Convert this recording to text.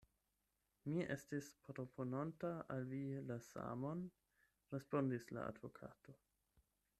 Mi estis propononta al vi la samon, respondis la advokato.